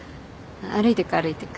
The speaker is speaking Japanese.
歩いてく歩いてく。